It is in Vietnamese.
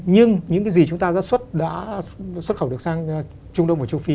nhưng những cái gì chúng ta đã xuất khẩu được sang trung đông và châu phi